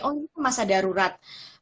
oh ini masa darurat